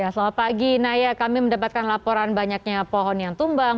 selamat pagi naya kami mendapatkan laporan banyaknya pohon yang tumbang